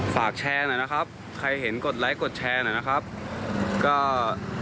ฝากแชร์หน่อยใครเห็นกดคำถามแบบไลค์กดแชร์